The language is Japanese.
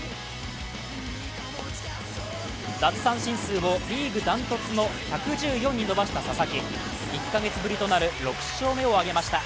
奪三振数をリーグダントツの１１４に伸ばした佐々木１カ月ぶりとなる６勝目を挙げました。